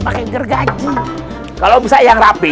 pake gergaji kalo bisa yang rapi